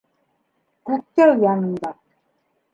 Күктау янында.